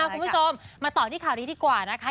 คุณผู้ชมมาต่อที่ข่าวนี้ดีกว่านะคะ